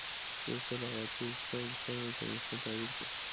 یو سل او اته ویشتمه پوښتنه د کمیسیون تعریف دی.